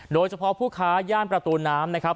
โดยเฉพาะผู้ค้าย่านประตูน้ำนะครับ